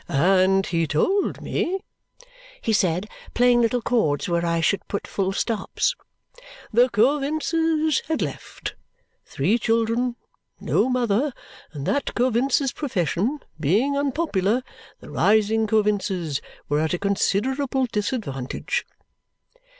"And he told me," he said, playing little chords where I shall put full stops, "The Coavinses had left. Three children. No mother. And that Coavinses' profession. Being unpopular. The rising Coavinses. Were at a considerable disadvantage."